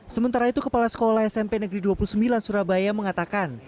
sementara itu kepala sekolah smp negeri dua puluh sembilan surabaya mengatakan